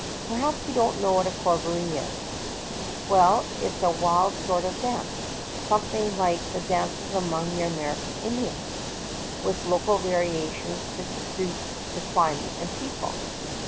Perhaps you don't know what a corrob oree is ? Well, it's a wild sort of dance, something like the dances among your American Indians, with local variations to suit the climate and people.